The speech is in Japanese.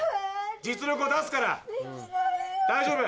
実力を出すから大丈夫。